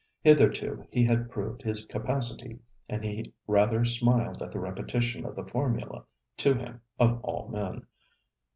Hitherto he had proved his capacity, and he rather smiled at the repetition of the formula to him, of all men.